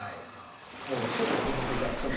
もうすぐ２目ぐらい損します